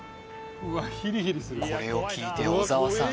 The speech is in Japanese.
これを聞いて小澤さん